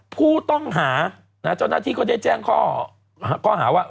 ผู้ต้องหาเจ้าหน้าที่ก็ได้แจ้งข้อหาว่า